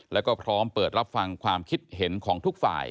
แล้วก็พร้อมเปิดรับฟังความคิดเห็นของทุกฝ่าย